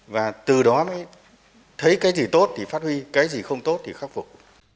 và từ đó mới thấy cái gì tốt thì phát huy cái gì không tốt thì khắc phục